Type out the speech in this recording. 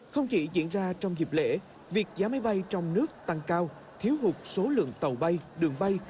không chỉ diễn ra trong dịp lễ việc giá máy bay trong nước tăng cao thiếu hụt số lượng tàu bay đường bay